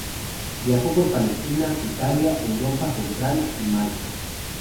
Viajó por Palestina, Italia, Europa central y Malta.